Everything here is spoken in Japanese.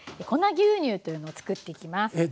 「粉牛乳」というのを作っていきます。